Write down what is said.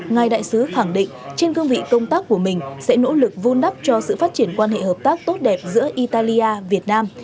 ngài đại sứ khẳng định trên cương vị công tác của mình sẽ nỗ lực vun đắp cho sự phát triển quan hệ hợp tác tốt đẹp giữa italia việt nam